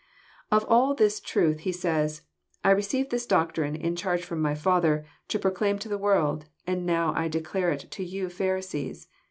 Of all this truth. He says, I received this doctrine in charge from my Father, to proclaim to the world, and I now declare it to you Pharisees."